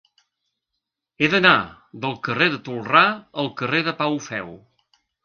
He d'anar del carrer de Tolrà al carrer de Pau Feu.